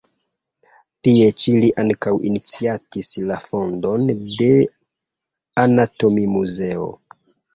Tie ĉi li ankaŭ iniciatis la fondon de anatomimuzeo.